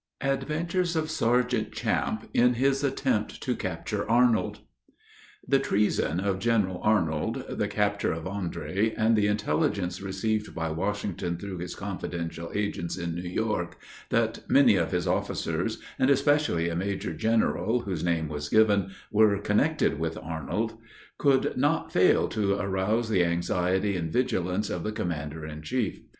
ADVENTURES OF SERGEANT CHAMPE IN HIS ATTEMPT TO CAPTURE ARNOLD. The treason of General Arnold, the capture of Andre, and the intelligence received by Washington through his confidential agents in New York, that many of his officers, and especially a major general, whose name was given, were connected with Arnold, could not fail to arouse the anxiety and vigilance of the commander in chief.